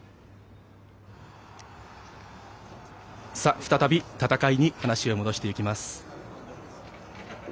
再び戦いに話を戻していきます。